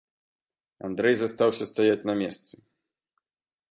Андрэй застаўся стаяць на месцы.